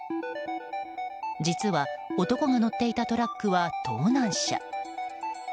実は男が乗っていたトラックは盗難車。